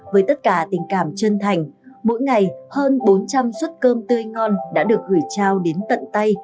với tất cả tình cảm chân thành mỗi ngày hơn bốn trăm linh suất cơm tươi ngon đã được gửi trao đến tận tay